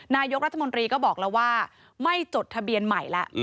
นายกรัฐมนตรีก็บอกแล้วว่าไม่จดทะเบียนใหม่แล้ว